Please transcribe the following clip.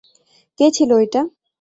কে ছিল ঐটা?